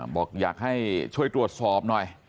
บอกอยากให้ช่วยตรวจสอบหน่อย